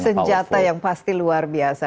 senjata yang pasti luar biasa